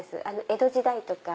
江戸時代とか。